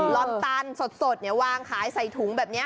ลอนตันสดวางขายใส่ถุงแบบนี้